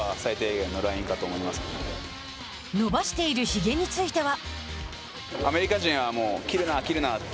伸ばしているひげについては。